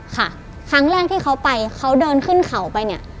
ครั้งแรกที่เขาไปเขาเดินขึ้นเขาไป